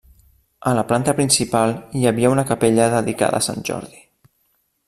A la planta principal hi havia una capella dedicada a Sant Jordi.